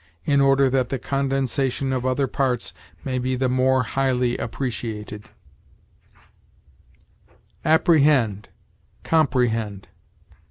in order that the condensation of other parts may be the more highly appreciated." APPREHEND COMPREHEND.